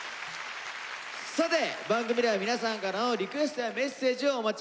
さて番組では皆さんからのリクエストやメッセージをお待ちしております。